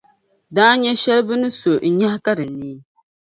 daanya shɛli bɛ ni so n-nyahi ka di neei.